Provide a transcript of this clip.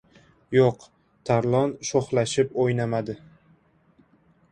Yo‘q, Tarlon sho‘xlashib o‘ynamadi.